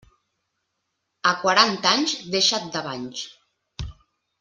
A quaranta anys deixa't de banys.